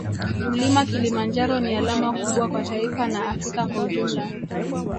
mlima Kilimanjaro ni alama kubwa kwa taifa na afrika kwa ujumla